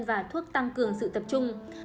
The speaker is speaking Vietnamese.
và thuốc tăng cường sự tập trung